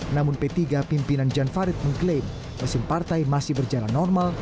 namun p tiga pimpinan jan farid mengklaim mesin partai masih berjalan normal